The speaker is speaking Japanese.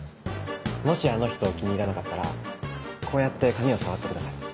もしあの人を気に入らなかったらこうやって髪を触ってください。